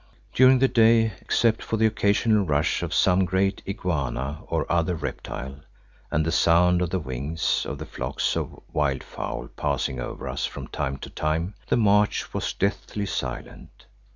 During the day, except for the occasional rush of some great iguana or other reptile, and the sound of the wings of the flocks of wildfowl passing over us from time to time, the march was deathly silent.